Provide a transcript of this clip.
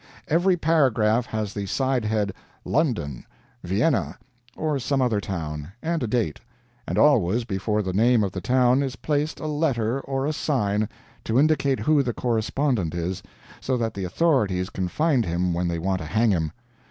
Every paragraph has the side head, "London," "Vienna," or some other town, and a date. And always, before the name of the town, is placed a letter or a sign, to indicate who the correspondent is, so that the authorities can find him when they want to hang him.